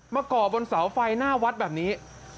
ก่อบนเสาไฟหน้าวัดแบบนี้